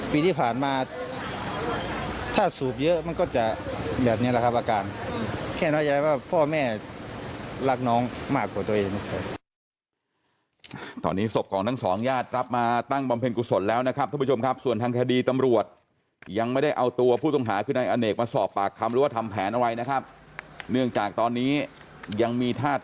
พ่อแม่รักน้องมากกว่าตัวเอง